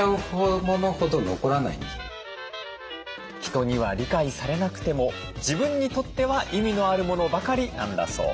人には理解されなくても自分にとっては意味のあるものばかりなんだそう。